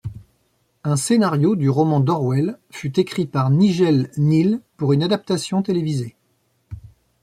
Un scénario du roman d'Orwell fut écrit par Nigel Kneale pour une adaptation télévisée.